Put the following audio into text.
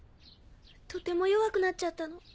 とても弱くなっちゃったの。